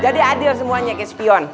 jadi adil semuanya ke espion